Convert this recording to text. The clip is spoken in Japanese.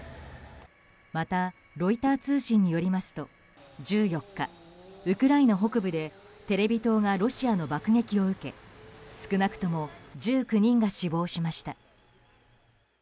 また、ロイター通信によりますと１４日、ウクライナ北部でテレビ塔がロシアの爆撃を受け少なくとも１９人が死亡しました。